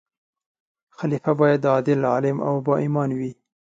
خلیفه باید عادل، عالم او با ایمان وي.